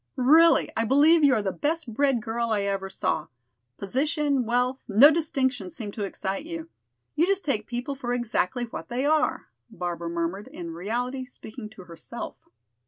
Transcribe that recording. Really, I believe you are the best bred girl I ever saw. Position, wealth, no distinctions seem to excite you. You just take people for exactly what they are," Barbara murmured, in reality speaking to herself.